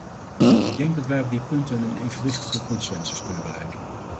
Ik denk dat wij op die punten een evenwichtige consensus kunnen bereiken.